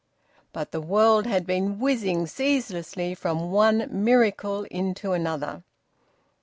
But the world had been whizzing ceaselessly from one miracle into another.